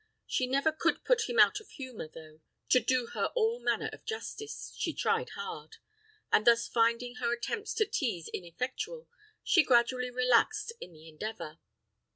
She never could put him out of humour, though, to do her all manner of justice, she tried hard; and thus finding her attempts to tease ineffectual, she gradually relaxed in the endeavour.